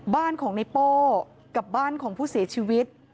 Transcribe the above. บ้านของในโป้กับบ้านของผู้เสียชีวิต